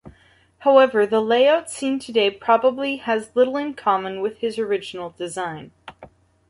However, the layout seen today probably has little in common with his original design.